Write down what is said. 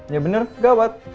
ya benar gawat